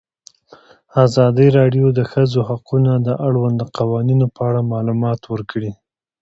ازادي راډیو د د ښځو حقونه د اړونده قوانینو په اړه معلومات ورکړي.